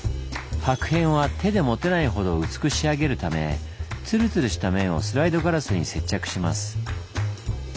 薄片は手で持てないほど薄く仕上げるためツルツルした面をスライドガラスに接着します。